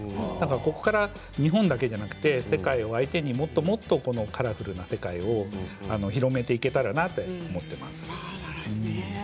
ここから日本だけじゃなく世界を相手にもっともっとカラフルな世界を広めていけたらなと思っています。